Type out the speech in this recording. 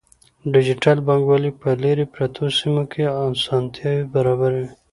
ډیجیټل بانکوالي په لیرې پرتو سیمو کې اسانتیاوې برابروي.